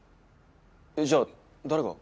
じゃあ誰が。